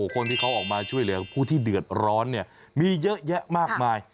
คนที่เขาออกมาช่วยเหลือผู้ที่เดือดร้อนเนี่ยมีเยอะแยะมากมาย